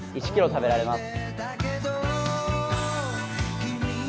１ｋｇ食べられます。